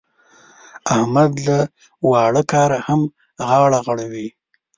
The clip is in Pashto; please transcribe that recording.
احمد له واړه کاره هم غاړه غړوي.